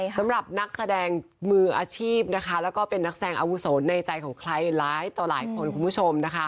สำหรับนักแสดงมืออาชีพนะคะแล้วก็เป็นนักแสดงอาวุโสในใจของใครหลายต่อหลายคนคุณผู้ชมนะคะ